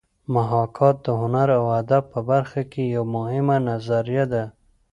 محاکات د هنر او ادب په برخه کې یوه مهمه نظریه ده